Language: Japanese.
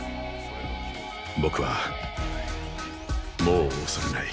僕はもう恐れない。